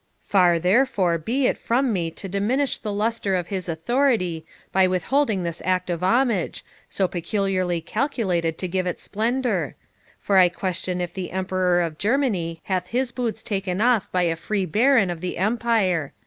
Far, therefore, be it from me to diminish the lustre of his authority by withholding this act of homage, so peculiarly calculated to give it splendour; for I question if the Emperor of Germany hath his boots taken off by a free baron of the empire.